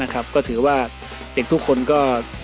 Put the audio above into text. ก็ถือว่าเด็กทุกคนก็